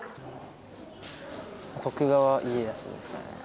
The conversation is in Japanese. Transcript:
徳川家康ですかね。